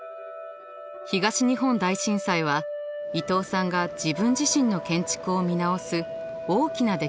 東日本大震災は伊東さんが自分自身の建築を見直す大きな出来事でした。